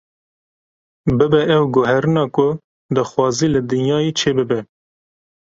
Bibe ew guherîna ku dixwazî li dinyayê çêbibe.